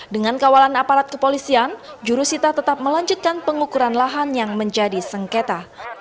dengan kawalan aparat kepolisian jurusita tetap melanjutkan pengukuran lahan yang menjadi sengketa